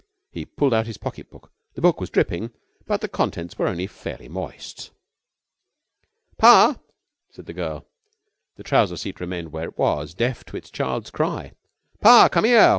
He pulled out his pocket book. The book was dripping, but the contents were only fairly moist. "Pa!" said the girl. The trouser seat remained where it was deaf to its child's cry. "Pa! Commere!